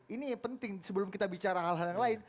ini yang penting sebelum kita bicara hal hal yang lain